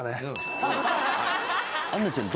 杏奈ちゃん